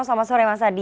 selamat sore mas adi